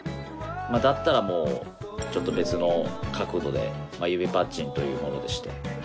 だったらもう、ちょっと別の角度で、指パッチンというものでして。